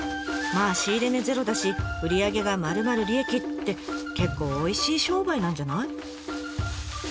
まあ仕入れ値ゼロだし売り上げがまるまる利益って結構おいしい商売なんじゃない？